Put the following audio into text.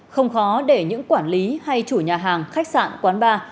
không khó để những quản lý hay chủ nhà hàng khách sạn quán bar